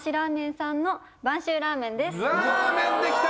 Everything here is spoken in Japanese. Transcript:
ラーメンできた！